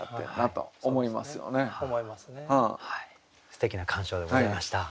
すてきな鑑賞でございました。